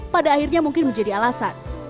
pada akhirnya mungkin menjadi alasan